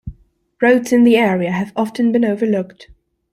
Roads in the area have often been overlooked.